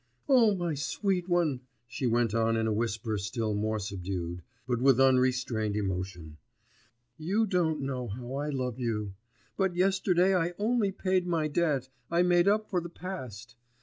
'Oh, my sweet one!' she went on in a whisper still more subdued, but with unrestrained emotion, 'you don't know how I love you, but yesterday I only paid my debt, I made up for the past....